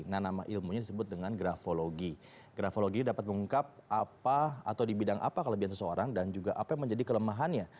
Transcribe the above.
nah nama ilmunya disebut dengan grafologi grafologi ini dapat mengungkap apa atau di bidang apa kelebihan seseorang dan juga apa yang menjadi kelemahannya